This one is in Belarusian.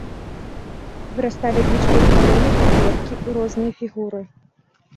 Вырасталі лічбы ў калоны, у клеткі, у розныя фігуры.